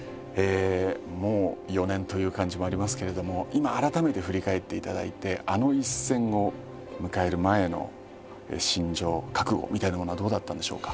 もう４年という感じもありますけれども今改めて振り返っていただいてあの一戦を迎える前の心情覚悟みたいなものはどうだったんでしょうか？